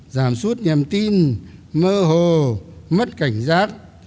giảm suốt nhầm tin mơ hồ mất cảnh giác